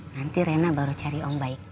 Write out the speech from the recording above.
nanti rena baru cari om baik